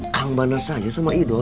kang barnas saja sama ido